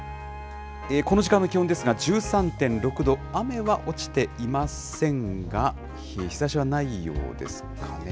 この時間の気温ですが１３．６度、雨は落ちていませんが、日ざしはないようですかね。